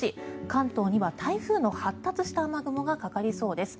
関東には台風の発達した雨雲がかかりそうです。